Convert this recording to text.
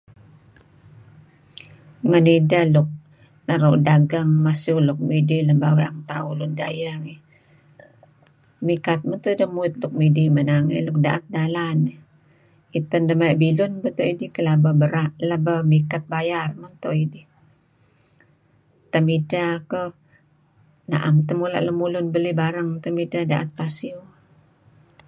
Ngen ideh nuk naru' dagang masieu nuk midih barang tuh lun dayeh ngih. Mikat meto' ideh muit nuk midih maya; dalan. Iten len bilun beto' idih pelaba berat, pelaba mikat bayar meto' idih. Temidteh keyh naem mula' lemulun belih barang temidteh daet pasiew.